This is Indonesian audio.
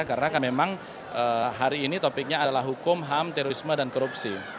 karena kan memang hari ini topiknya adalah hukum ham terorisme dan korupsi